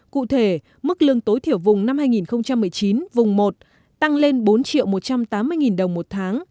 cụ thể mức lương tối thiểu vùng năm hai nghìn một mươi chín vùng một tăng lên bốn một trăm tám mươi đồng một tháng